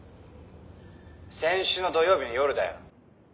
「先週の土曜日の夜だよ」